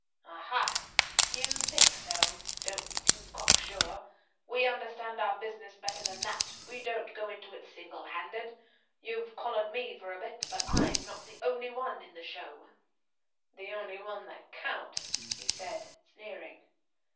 "Aha! You think so? Don't be too cocksure. We understand our business better than that, we don't go into it single handed. You've collared me for a bit, but I'm not the only one in the show." "The only one that counts," he said sneering.